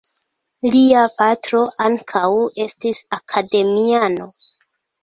Lia patro ankaŭ estis akademiano.